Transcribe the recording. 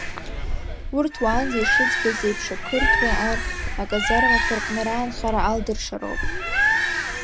Урҭ уаанӡа ишыӡбаз еиԥш, ақырҭуа ар аказармақәа рҟны раанхара алдыршароуп.